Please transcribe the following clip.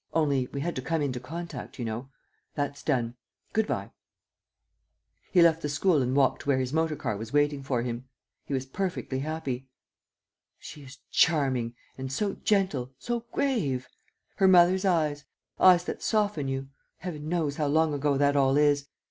... Only, we had to come into contact, you know. ... That's done. ... Good bye." He left the school and walked to where his motor car was waiting for him. He was perfectly happy: "She is charming ... and so gentle, so grave! Her mother's eyes, eyes that soften you ... Heavens, how long ago that all is!